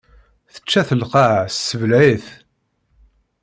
Tečča-t lqaɛa tesbleɛ-it.